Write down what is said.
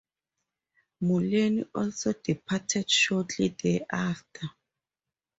Mullaney also departed shortly thereafter.